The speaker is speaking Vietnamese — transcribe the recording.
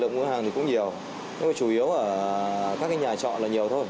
nhưng mà chủ yếu ở các nhà chọn là nhiều thôi